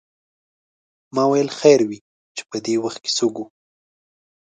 ما ویل خیر وې چې پدې وخت څوک و.